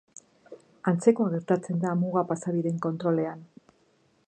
Antzekoa gertatzen da muga-pasabideen kontrolean.